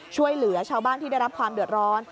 ช่วยเหลือชาวบ้านที่ได้รับความเดือดร้อน